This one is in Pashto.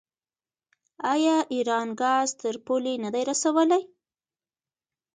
آیا ایران ګاز تر پولې نه دی رسولی؟